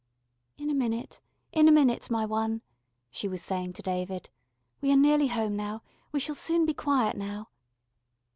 "In a minute, in a minute, my One," she was saying to David. "We are nearly home now. We shall soon be quiet now."